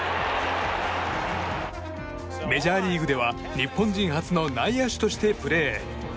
メジャーリーグでは日本人初の内野手としてプレー。